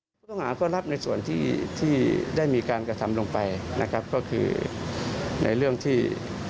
ผู้ต้องหาก็รับในส่วนที่ที่ได้มีการกระทำลงไปนะครับก็คือในเรื่องที่